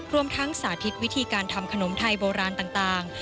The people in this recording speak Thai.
รวมทั้งสาธิตวิธีการทำขนมไทยโบราณต่าง